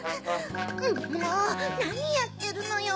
もうなにやってるのよ